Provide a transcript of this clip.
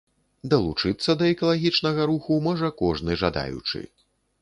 Далучыцца да экалагічнага руху можа кожны жадаючы.